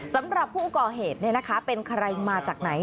สำหรับผู้ก่อเหตุเป็นใครมาจากไหน